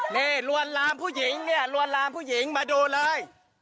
นี่ลวนลามผู้หญิงเนี่ยลวนลามผู้หญิงมาดูเลย